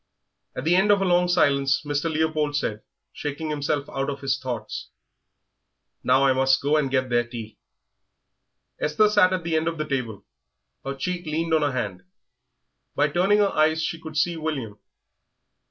At the end of a long silence Mr. Leopold said, shaking himself out of his thoughts, "Now I must go and get their tea." Esther sat at the end of the table; her cheek leaned on her hand. By turning her eyes she could see William.